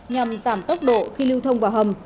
nhằm giảm tốc độ khi lưu thông vào hầm